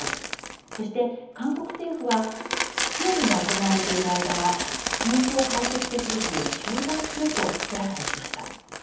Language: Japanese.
そして、韓国政府は協議が行われている間は紛争解決手続きを中断すると明らかにしました。